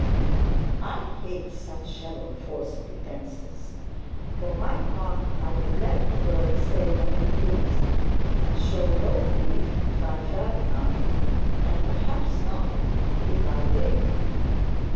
I hate such shallow false pretences. For my part, I would let the world say what it pleased, and show no grief if I felt none; and perhaps not, if I did.'